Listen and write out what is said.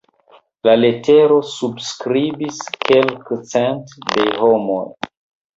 La letero subskribis kelkcent de homoj.